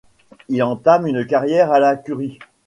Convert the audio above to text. Il entame une carrière à la curie.